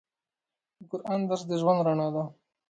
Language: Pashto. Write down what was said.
د قرآن درس د ژوند رڼا ده.